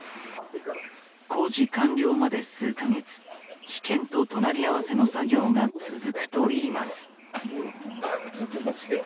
工事完了まで数か月危険と隣り合わせの作業が続くといいます。